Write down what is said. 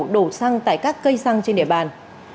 đổ xăng tại các cây xăng trên địa bàn